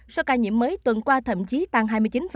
số ca nhiễm mới tuần qua thậm chí tăng hai mươi chín